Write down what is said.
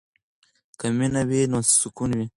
که مینه وي نو سکون وي.